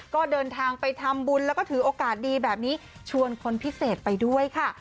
ก็เดินทางไปทำบุญแล้วก็ถือโอกาสดีแบบนี้ชวนคนพิเศษไปด้วยค่ะ